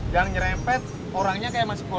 yang ngerempet orangnya kayak masih bocah